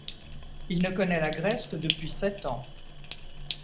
Il ne connaît la Grèce que depuis sept ans.